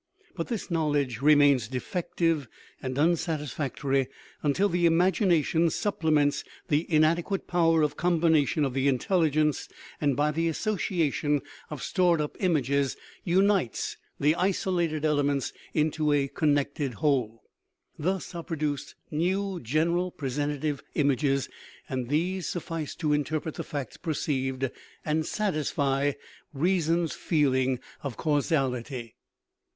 But this knowledge re mains defective and unsatisfactory until the imagina tion supplements the inadequate power of combination of the intelligence, and, by the association of stored up * Collected Popular Lectures ; Bonn, 1878. 298 KNOWLEDGE AND BELIEF images, unites the isolated elements into a connected whole. Thus are produced new general presentative images, and these suffice to interpret the facts perceived and satisfy "reason's feeling of causality."